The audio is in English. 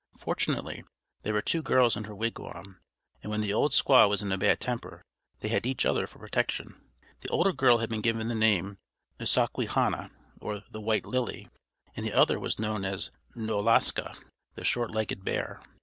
Fortunately there were two girls in her wigwam, and when the old squaw was in a bad temper they had each other for protection. The older girl had been given the name of Saw que han na, or "the White Lily," and the other was known as Kno los ka, "the Short legged Bear."